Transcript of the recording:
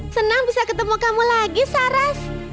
senang bisa ketemu kamu lagi sarah